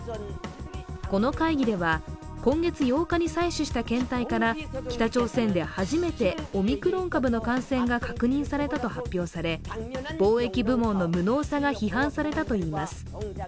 この会議では、今月８日に採取した検体から北朝鮮で初めてオミクロン株の感染が確認されたと発表され防疫部門の無能さが批判されたといいます。